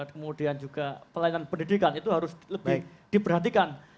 kemudian juga pelayanan pendidikan itu harus lebih diperhatikan